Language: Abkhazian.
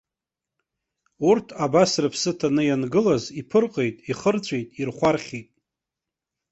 Урҭ, абас рыԥсы ҭаны иангылаз, иԥырҟеит, ихырҵәеит, ирхәархьит.